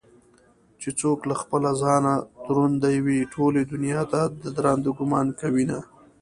چې څوك له خپله ځانه دروندوي ټولې دنياته ددراندۀ ګومان كوينه